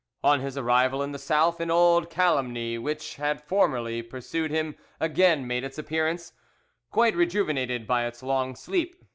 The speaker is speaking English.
"On his arrival in the South an old calumny which had formerly pursued him again made its appearance, quite rejuvenated by its long sleep.